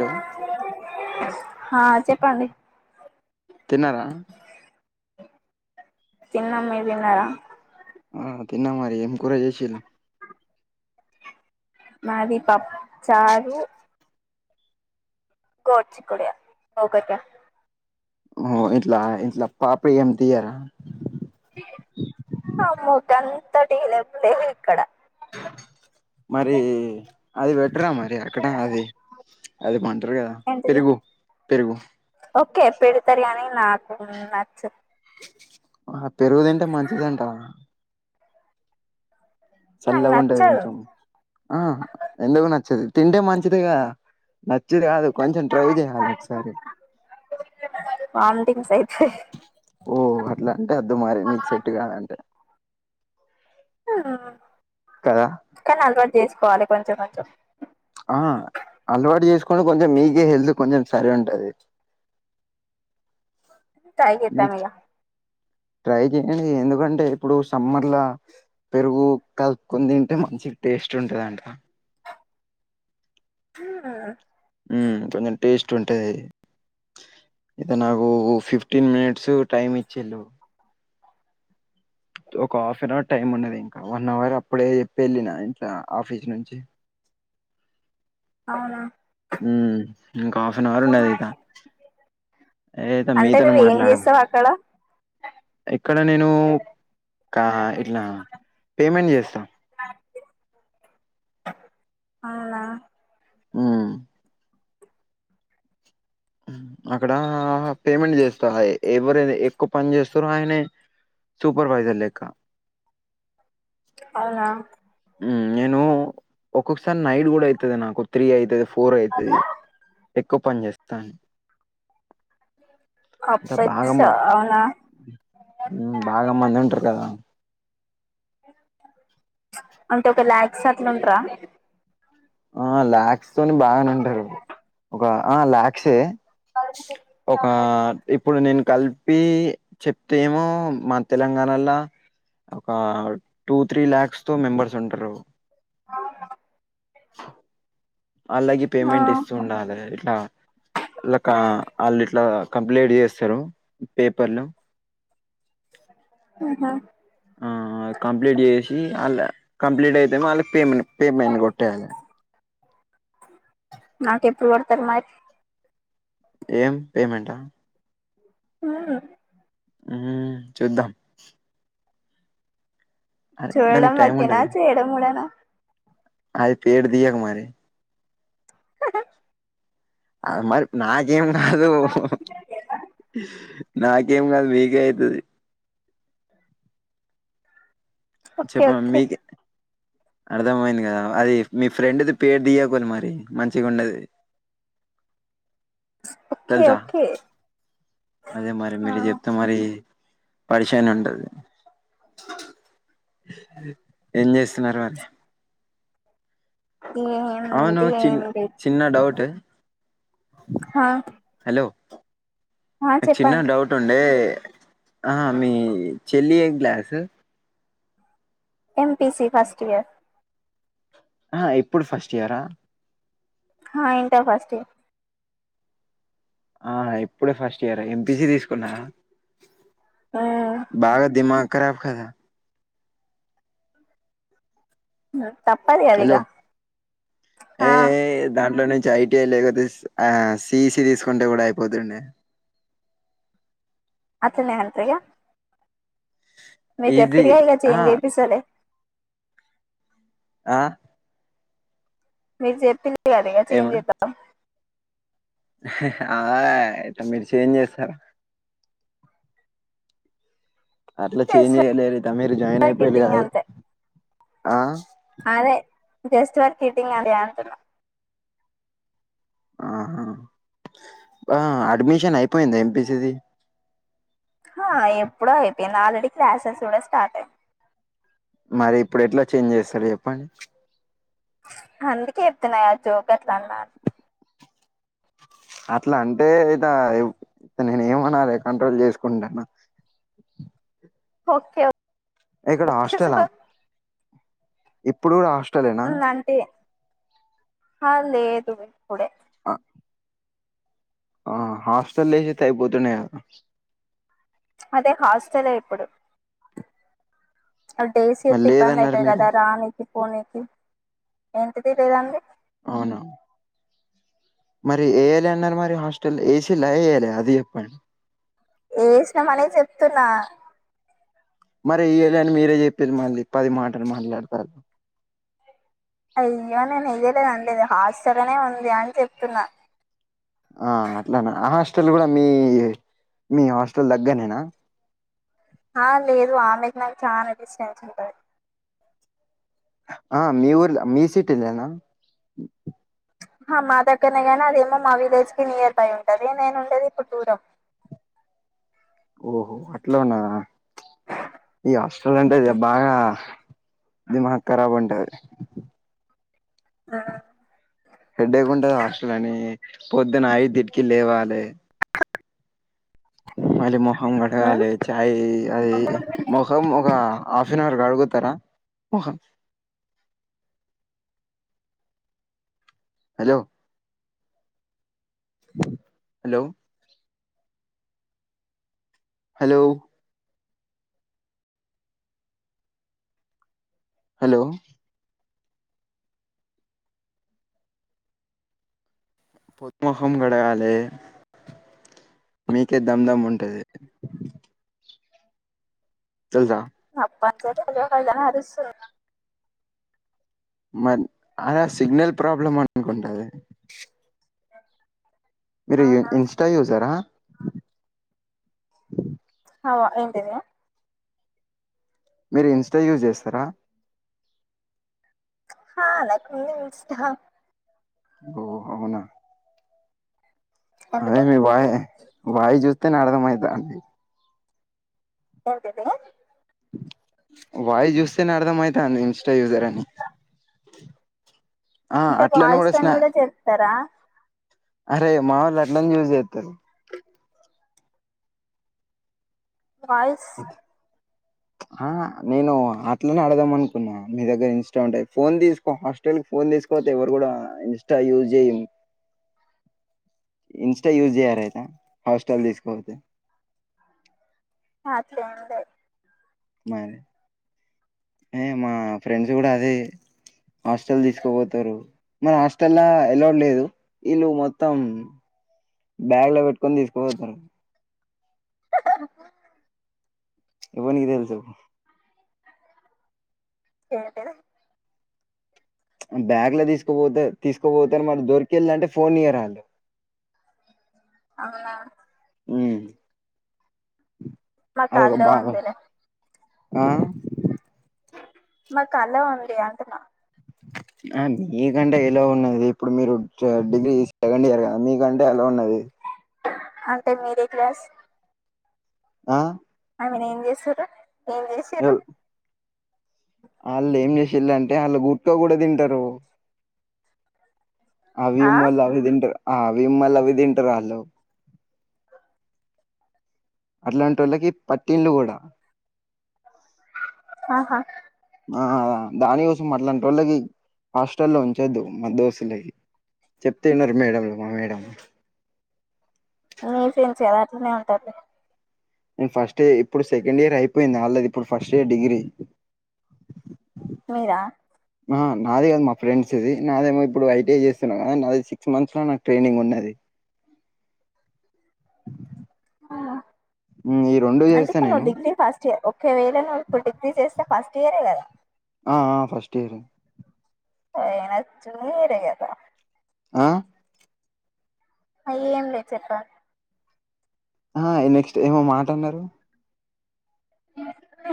Hello హా చెప్పండి తిన్నారా తిన్నాం మీరు తిన్నారా ఆ తిన్న మరి ఎం కూర జేసిండు మాది పప్పు చారు గోరుచిక్కుడుకాయా ఒకేకే ఓ ఇట్లా ఇట్లా పాప ఏమి తీయరా ఆ ముకంతటి [unintelligible] ఇక్కడ మరి అది పెట్టరా మరి అక్కడ అది అది బాంటారు కదా ఏంటిది పెరుగు పెరుగు ఓకే పెడతారు గాని ని నాకు నచ్చదు ఆహా పెరుగు తింటే మంచిదంట నాకు చల్లగా ఉంటాది నచ్చదు కొంచెం ఆ ఎందుకు నచ్చదు తింటే మంచిదిగా నచ్చి కాదు కొంచెం ట్రై చేసాను ఒకసారి వామిటింగ్స్ అయితయి ఓ అట్లా అంటే వద్దు మరి మీకు సెట్టు కాదంటే ఆ కాదా కానీ అలవాటు చేసుకోవాలి కొంచెం కొంచెం ఆహా అలవాటు చేసుకుంటే కొంచెం మీకే హెల్త్ కొంచెం సరి ఉంటది ట్రై చేస్తాం మీకు ఇగ ట్రై చెయండి ఎందుకంటే ఇప్పుడు సమ్మర్లా పెరుగు కలుపుకొని తింటే మంచి టేస్ట్ ఉంటదంట మ హా ఉమ్ కొంచెం టేస్ట్ ఉంటది ఇక నాకు ఫిఫ్టీన్ మినిట్స్ టైమ్ ఇచ్చిండు ఒక హాఫ్ అన్ అవర్ టైమ్ ఉన్నది ఇంకా వన్ అవర్ అప్పుడే చెప్పి వెళ్ళిన ఇంట్లో ఆఫీస్ నుంచి అవునా హ్మ్మ్ ఇంకా హాఫ్ అన్ అవర్ ఉన్నది ఇక ఏతే అంటే మీతోన నువ్వు ఏం మాట్లాడ చేస్తావు అక్కడ ఇక్కడ నేను కా ఇట్లా పేమెంట్ చేస్తా అవునా ఉమ్ అక్కడ పేమెంట్ చేస్తా ఎవరైతే ఎక్కువ పని చేస్తారో ఆయనే సూపర్వైజర్ లెక్క అవునా ఉమ్ నేను ఒక్కొక్కసారి నైట్ కూడా అయితది నాకు త్రీ అయితది ఫోర్ అయితది ఎక్కువ పనిచేస్తాను అంతా బాగా అప్పచ్చ మ అవునా ఉమ్ బాగా మంది ఉంటారు కదా అంటే ఒక లాక్స్ అట్లు ఉంటరా ఆ లాక్స్ తోని బాగానే ఉంటారు ఒక ఆ లాక్సే ఒక ఇప్పుడు నేను కలి పి చెప్తే ఏమో మా తెలంగాణలా ఒక టూ త్రీ ల్యాక్స్ తో మెంబర్స్ ఉంటారు అవును అలాగే ఆ పేమెంట్ ఇస్తూ ఉండాలి ఇట్లా లాకా ఆళ్ళు ఇట్లా కంప్లైంట్ చేస్తారు పేపర్లు ఆహా ఆ కంప్లీట్ చేసి వాళ్ళ కంప్లీట్ అయితేమో వాళ్ళకి పేమెంట్ పేమెంట్ కొట్టేయాలి నాకెప్పుడు కొడతార్ మారి ఏం పేమెంటా ఆ ఉమ్ చూద్దాం అరే దానికి చూడడం టైం వరకేనా చేయడం కూడానా అయితే ఏట్ దియకు మరి ఆ మరి నాకేం గాదు. నాకేం కాదు మీకే అవుతుది. ఓకే చెప్ప ఓకే మీకే. అర్థమైంది కదా అది మీఫ్రెండ్ ది పేరు దియాకుండీ మరి మంచిగా ఉండది. ఓకే తెలుసా ఓకే. అదే మరి ఆ మీరు చెప్తే మరి పరేచన్ ఉంటది. ఏం చేస్తున్నారు మరి. మేము లేమా. అవును చిన్న చిన్న డౌట్. హా. హలో చిన్న చెప్పండి డౌట్. వుండే ఆ మీ చెల్లి ఏ క్లాస్. MPC first year. ఆ ఇప్పుడు ఫస్ట్ ఇయరా. హా ఇంటర్ ఫస్ట్ ఇయర్. ఆ ఇప్పుడే ఫస్ట్ ఇయర్ ఎంపిసి తీసుకున్నాద. బాగా దిమక్ కారాబ్ కదా. తప్పది ‌. హలో ఏ ఎయ్ దాంట్లోనే. ఐటీఐ ఎల్ లేకపోతే ఆ సిసి తీసుకుంటే కూడా అయిపోతుండే. అట్టనే అత్తయ్య. మీరు ఈజీ చెప్పారు కాద ఇక ఆ చేంజ్ చేపిస్తలేే. ఆ. మీరు చెప్పులు కదా ఇక ఏమ చేంజ్ చెదం. ఆ ఇక మిరు చేంజ్ చేసారు. అట్లా చేంజ్ చేస్తా చేయ్యలేరు మీరు జాయిన్ ఫర్ అయిపోయారు కిడ్డింగ్ కద అంతే ఆ. అదే జస్ట్ ఫర్ కిడ్డింగ్ అదే అంటున. ఆహా ఆ అడ్మిషన్ అయిపోయింది ఎంపిసి ది. ఆ ఎప్పుడో అయిపోయింది ఆల్రెడీ క్లాసెస్ కూడా స్టార్ట్ అయింది. మరి ఇప్పుడు ఎట్లా చేంజ్ చేస్తారు చెప్పండి. అందుకే చెప్తున్న కదా జోక్ అట్లా అని. అట్లా అంటే ద నేను ఏమనాలి కంట్రోల్ చేసుకుంటాన. Okay okay. ఇక్కడ ఓకే హాస్టెలా. సార్ ఇప్పుడు కూడా హస్టల్ ఏనా. హుమ్ అంటే హ లేదు ఇప్పుడే. ఆ. ఆ హాస్పిటల్ లేసేతే అయిపోతుంటే అయిపోతుండే కదా. అదే హాస్టలే ఇప్పుడు. అ డైస్ మరి చేస్తే ఇబ్బంది లేదన్నారు అవుతుంది మీరు కదా రానికి పోనీనికి ఏంటి తెలీదండి. అవును. మరి వేయ్యాలే అన్నారు మరి హాస్టల్ ఏసీలా వెయ్యలేదా అది చెప్పండి. ఏసినం మనే చెప్తున్నా. మరి ఇయ్యలే అని మీరే చెప్పేరు మళ్ళీ పది మాటలు మాట్లాడతారు అయ్యో అయ్యో నేను వెయ్యలేదు అన్లేదు హాస్టల్లోనే ఉంది అని చెప్తున్నా. ఆ అట్లాన ఆ హాస్టల్ కూడా మీ మీ హాస్టల్ దగ్గర్నేనా ఆ లేదు ఆమెకు నాకు చాలా డిస్టెన్స్ ఉంటది. ఆ మీ ఊర్ల మీ సీటీ నేనా. మా దగ్గరనే గానీ అదేమో మా విలేజ్ కి నియర్ బై ఉంటది, నేను ఉండేది ఇప్పుడు దురం. ఓహో అట్లన ఈ హస్టల్ అంటే ది బాగా. దిమాగ్ ఖరాబ్ ఉంటది ఆ హెడ్ ఎకు ఉంటది హాస్టల్ అని పొద్దునయిదిటికి లేవాలి. మళ్లీ మొహం కడగాలె చ్చ. అయి అది ముఖం ఒక హాఫ్ అన్ అవర్ కడుగుతారా ముఖం. Hello hello. హలో. హలో. పొద్ద్ ముఖం గడగాలి మీకే దమ్ దమ్ ఉంటది. తేల్దా అప్పన చెల్లి హలో అని అరుస్తున మరి అద సిగ్నల్ ప్రాబ్లం అనుకుంటది. మీరు అవునా ఇన్స్టా చూసారా. అవ ఏంటిది. మీరు ఇన్స్టా యూజ్ చేస్తారా. హా నాకు ఉంది ఇన్స్టా ఓ అవునా అదే ఎందుకు మీ బాయ్ బాయ్ చెప్తేనే అర్థమైతాంది ఓర్ పక్కన వాయి చూస్తేనే అర్థం అయితాంది ఇంస్టా యూజర్ అని ఆ అంటే అట్లనే వాయిస్తోని స్నా కూడా చెప్తారా. అరే మా వాళ్లు అట్లయినే యూజ్ చేస్తారు. వాయిస్. ఆ ఆహా నేను అట్లనే అడదాం అనుకున్నా మీ దగ్గర ఇస్స్టా ఉంటే ఫోన్ తీసుకో ఫ ఫోన్ తీసుకోతే ఎవరు గూడా ఇంస్టా యూజ్ చేయమ్ ఇన్స్టా యూజ్ చేయ్యారు అయితే హాస్టల్ తీసుకకోపోతే. ఆ అట్లే ఏంలే మాది ఏ మా ఫ్రెండ్స్ కూడా అదే. హాస్టల్ తీసుకపోతురు. మ హాస్టల్లా ఎలో లేదు వీళ్ళు మొత్తం. బ్యాగ్ లో పెట్టుకొని తీసుకుపోతారు. హాహా ఎవ్వనికి తెలుసు. ఏం పేరు బ్యాగ్ లో తీసుకుపోతే తీసుకోపోతే మరి దొరికిళ్ళ అంటే ఫోన్ ఇయ్యరు ఆళ్ళు [inaudible] ఔనా ఉమ్ మా అదొగ కాల్లో బాగం ఉందిలే ఆ మాకలో ఉంది అంటున్న ఆ మీకంటే ఎలో ఉన్నది ఇప్పుడు మీరు చ్ డిగ్రీ సెకండ్ ఇయర్గ మీకంటే అలో ఉన్నది అంటె మీరే క్లాస్ ఆ ఐమీన్ ఏం జేస్తుర్రు ఏం జేషిర్రు ఆల్లెమ్జేషిల్లంటే అళ్ళు గుట్క గుడ తింటరు అవి ఆ మల్ల అవి తింట అవి మల్ల అవి తింటరాళ్ళు అట్లాంటోళ్ళకి పట్టిళ్లుగుడ ఆహా ఆ దానిగొసం అట్లాంటోళ్ళకి హాస్టల్లో ఉంచొద్దు మదోసులకి చెప్తినరు మేడం మా మేడం మీర్ సిన్సియర్ అట్నే ఉంటదితి నేన్ ఫస్టే ఇప్పుడు సెకండ్ ఇయర్ అయిపోయింది ఆల్రెడీ ఇప్పుడు ఫస్ట్ ఇయర్ డిగ్రీ మీరా ఆ నాదిగన్ మా ఫ్రెడ్స్ది నాదేమో ఇప్పుడు ఐటిఎ చేస్తున్నాం గదా నాది సిక్స్ మంత్స్ లో నాకు ట్రైనింగ్ ఉన్నది ఆహా ఉమ్ ఈ రెండు చేస్తా అంటిప్పుడ్నువ్వు నేను డిగ్రీ ఫస్ చ్ ఒక వేళ నొవ్ ఇప్పుడ్ డిగ్రీ చేస్తే ఫస్ట్ ఇయరే గదా ఆ ఆ ఫస్ట్ ఇయరే ఎన్నచూరియత్ ఆ ఏం వచ్చుడో ఏమో ఆ ఎ నెక్స్ట్ ఏమో మాటన్నరు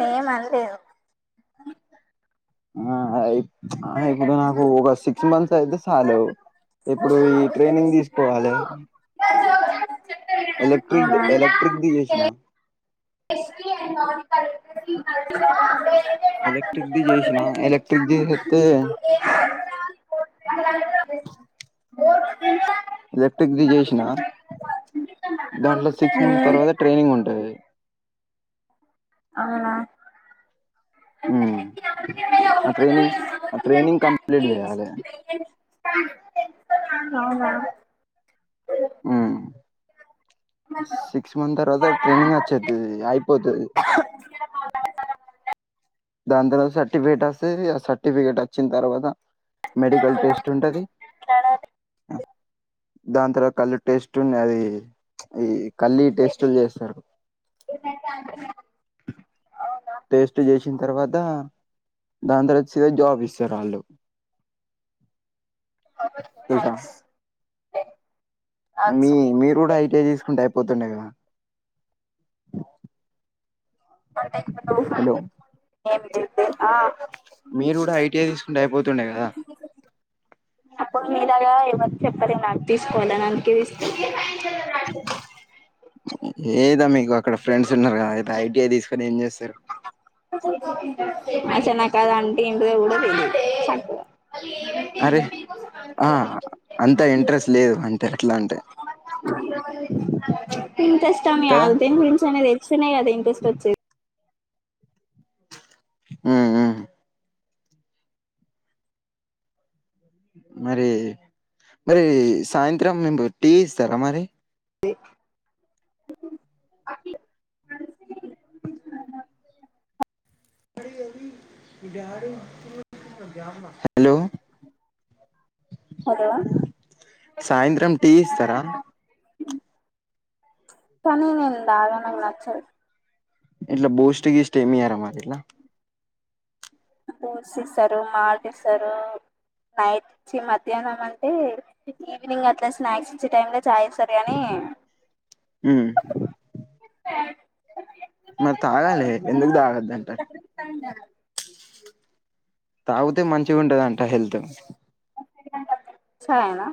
నేమన్ లేదు ఆ ఇప్ చ్ సిఇప్పుడూ నాకు ఒక సిక్స్ మంత్స్ అయితే సాలు ఇప్పుడు ఈ ట్రైనింగ్ తీస్కోవాలె ఎలక్ట్రక్ద్ ఎలక్ట్రక్ది జేష్న ఎస్కు [inaudible] ఎలక్ట్రిక్ది జేషిన ఎలక్ట్రిక్ది జేత్తే బోర్డు ఎలక్ట్రిక్దిి జేశినా దాంట్లో సిక్స్ మంత్స్ తర్వాత ట్రైనింగ్ ఉంటది ఔనా ఉమ్ ఆ ట్రైనింగ్ ఆ ట్రైనింగ్ కంప్లీట్ చేయాలి [unintelligible] ఔనా హ్మ్ సిక్స్ మంత్ తర్వాత ట్రైనింగ్ అచ్చేత్తది అయిపోతది దాన్ తర్వాత సర్టిఫికేట్ అస్తది ఆ సర్టిఫికేట్ అచ్చిన్ తర్వాత మెడిగల్ టెస్ట్ ఉంటది దాన్ తర్వాత్ కళ్ళు టేస్టున్నది చ్ ఈ కళ్లి టెస్టుల్జేస్తరు ఈమైతే అంటున్నది టేస్ట్ జేసషిన్ తర్వాత దాన్ తర [unintelligible] వ [unintelligible] చ్చ జాబ్ ఇస్తరాళ్ళు తెల్సా ఐమీ అచ్చా మీరు గుడ ఐటీఐ తీసుకుంటైపోతుండే గదా ఏమిటి ఇది ఆ మీరు కూడా ఐటీఐ తీసుకుంటే అయిపోతుండే కదా అప్పుడు మీలాగా ఎవరు చెప్పలే నాకు తీసుకోవాలని అందుకే తీసుకున్న ఏదా మీకు అక్కడ ఫ్రెండ్స్ ఉన్నారు కదా అయితే ఐటీఐ తీసుకొని ఏం చేస్తారు మంచిగ నాకు అది అంటే ఎంటి దో గూడా తెలీదు అరే ఆ అంతా ఇంట్రెస్ట్ లేదు అంటే అట్లా అంటే ఇంట్రెస్ట్ అని కదా కాదు దేని గురించి ఐనా తెలుస్తనే కదా ఇంట్రెస్ట్ వచ్చేది ఊ ఉ మరి మరి సాయంత్రం మేము టీ ఇస్తారా మరి ఇ హలో హలో సాయంత్రం టీ ఇస్తారా కానీ నేను తాగ నాకు నచ్చదు ఇండ్ల బూస్ట్ గీస్టు ఎమియార మరి ఇలా ఫ్రూట్స్ ఇస్తారు మాట్ ఇసారు నైట్ ఛీ మధ్యాహ్నం అంటే ఈవినింగ్ అట్లా స్నాక్స్ ఇచ్చే టైం చాయ్ ఇస్తారు గాని ఉ మరి తాగాలి ఎందుకు తాగద్ద అంటారు తండా తాగితే మంచిగా ఉంటదంట హెల్త్ చాయ్ నా